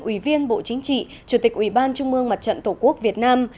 ủy viên bộ chính trị chủ tịch ủy ban trung mương mặt trận tổ quốc việt nam